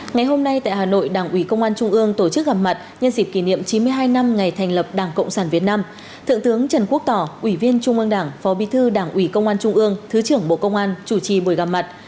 ngày hôm nay tại hà nội đảng ủy công an trung ương tổ chức gặp mặt nhân dịp kỷ niệm chín mươi hai năm ngày thành lập đảng cộng sản việt nam thượng tướng trần quốc tỏ ủy viên trung ương đảng phó bí thư đảng ủy công an trung ương thứ trưởng bộ công an chủ trì buổi gặp mặt